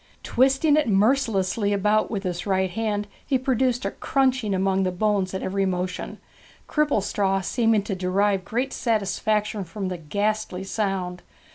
Twisting it mercilessly about with his right hand he produced a crunching among the bones at every motion, Cripplestraw seeming to derive great satisfaction from the ghastly sound.